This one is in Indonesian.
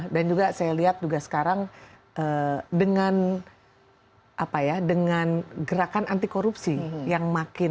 dan juga saya lihat juga sekarang dengan gerakan anti korupsi yang makin